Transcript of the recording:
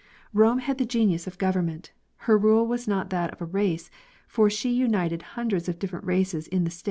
Rome had the genius of government; her rule was not that of a race, for she united a hundred different races in the state, ' a o a ot.